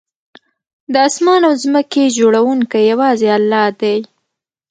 د آسمان او ځمکې جوړونکی یوازې الله دی